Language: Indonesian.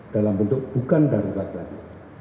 dalam bentuk bukan darurat lagi